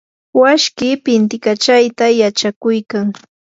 washkii pintikachayta yachakuykan.